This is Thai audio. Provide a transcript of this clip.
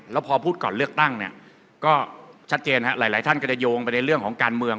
แล้วพอพูดก่อนเลือกตั้งก็ชัดเจนหรือไหร่ท่านจะโยงไปในเร่งของการเมือง